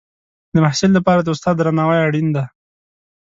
د محصل لپاره د استاد درناوی اړین دی.